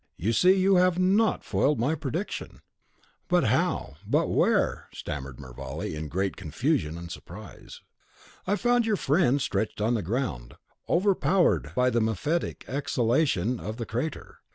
You see you have NOT foiled my prediction." "But how? but where?" stammered Mervale, in great confusion and surprise. "I found your friend stretched on the ground, overpowered by the mephitic exhalation of the crater.